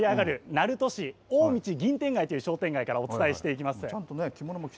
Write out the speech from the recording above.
鳴門市大道銀天街という商店街からお伝えします。